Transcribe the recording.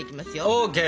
ＯＫ。